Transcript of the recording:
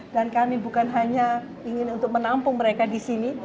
dan kami bukan hanya ingin untuk menampung mereka di sini